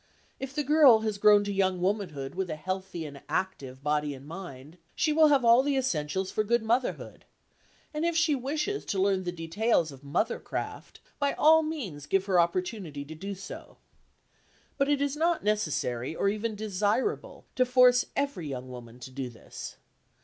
If the girl has grown to young womanhood with a healthy and active body and mind, she will have all the essentials for good motherhood, and if she wishes to learn the details of mothercraft, by all means give her opportunity to do so. But it is not necessary, or even desirable, to force every young woman to do this.